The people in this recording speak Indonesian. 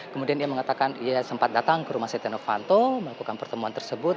kemudian dia mengatakan ia sempat datang ke rumah setia novanto melakukan pertemuan tersebut